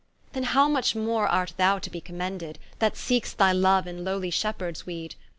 Then how much more art thou to be commended, That seek'st thy loue in lowly shepheards weed?